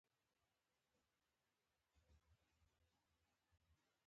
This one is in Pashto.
ایا کله مو پوزه وینې شوې ده؟